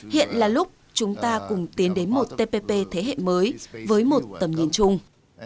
hiện là lúc chúng ta cùng tiến đến một tpp thế hệ mới với một tầm nhìn chung